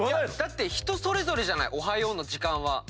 だって人それぞれじゃないおはようの時間は。